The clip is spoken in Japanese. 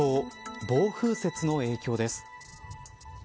暴風雪の影響です。